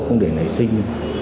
không để nảy sinh